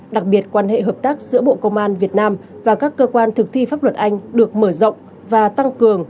đặc biệt quan hệ hợp tác giữa bộ công an việt nam và các cơ quan thực thi pháp luật anh được mở rộng và tăng cường